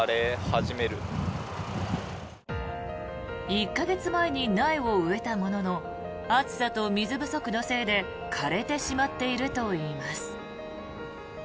１か月前に苗を植えたものの暑さと水不足のせいで枯れてしまっているといいます。